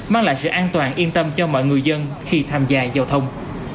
mang lại sự an toàn yên tâm cho mọi người dân khi tham gia giao thông